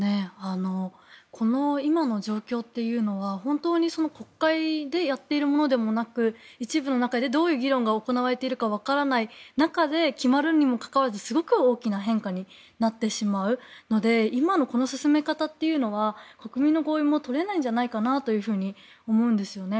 今の状況というのは本当に国会でやっているものでもなく一部の中でどういう議論が行われているかわからない中で決まるにもかかわらずすごく大きな変化になってしまうので今のこの進め方というのは国民の合意も取れないんじゃないかと思うんですよね。